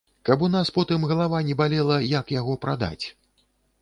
Каб у нас потым галава не балела, як яго прадаць.